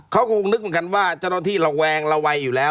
เขาคงนึกเหมือนกันว่าเจ้าหน้าที่ระแวงระวัยอยู่แล้ว